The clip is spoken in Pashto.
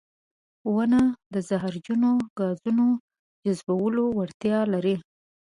• ونه د زهرجنو ګازونو جذبولو وړتیا لري.